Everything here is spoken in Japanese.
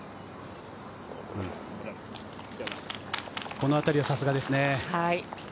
このあたりはさすがですね。